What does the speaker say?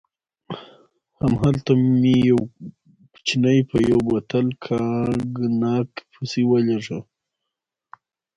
هملته مې یو کوچنی په یو بوتل کاګناک پسې ولېږه.